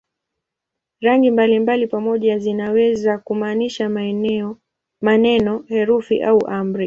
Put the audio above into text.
Rangi mbalimbali pamoja zinaweza kumaanisha maneno, herufi au amri.